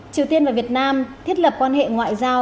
triều tiên và việt nam thiết lập quan hệ ngoại giao